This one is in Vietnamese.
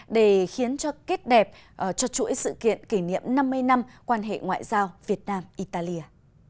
để khiến cho kết đẹp cho chuỗi sự kiện kỷ niệm năm mươi năm quan hệ ngoại giao việt nam italia